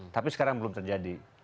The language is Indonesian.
tapi sekarang belum terjadi